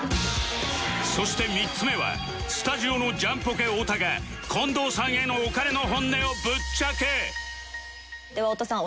そして３つ目はスタジオのジャンポケ太田が近藤さんへのお金の本音をぶっちゃけでは太田さん